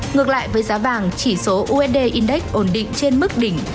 ngược lại với giá vàng chỉ số usd index ổn định trên mức đỉnh